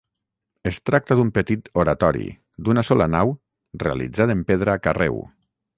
Es tracta d'un petit oratori, d'una sola nau, realitzat en pedra carreu.